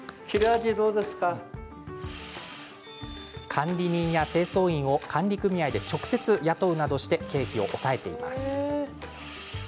管理人や清掃員を管理組合で直接、雇うなどして経費を抑えています。